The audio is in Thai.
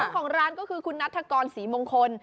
ของร้านก็คือคุณนัฐกรศรีมงคล